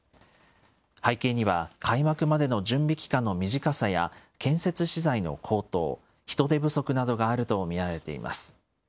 背景には、開幕までの準備期間の短さや、建設資材の高騰、人手不足などがあると見られています。